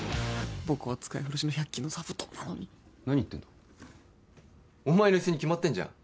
僕は使い古しの百均の座布団なのに何言ってんだお前のイスに決まってんじゃん